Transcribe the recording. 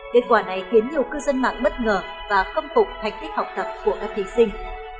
kết quả này khiến nhiều cư dân mạng bất ngờ và công cục thành tích học tập của các thí sinh